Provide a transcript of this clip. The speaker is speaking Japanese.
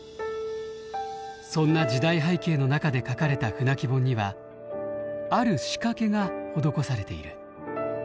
そんな時代背景の中で描かれた「舟木本」にはある仕掛けが施されている。